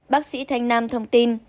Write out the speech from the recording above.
bác sĩ thanh nam thông tin